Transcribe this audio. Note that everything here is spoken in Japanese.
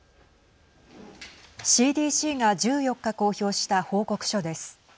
ＣＤＣが１４日公表した報告書です。